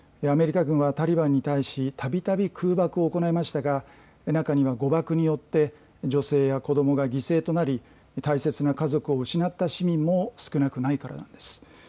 アメリカ軍はタリバンに対したびたび空爆を行いましたが中には誤爆によって女性や子どもが犠牲となり大切な家族を失った市民も少なくないからなんです。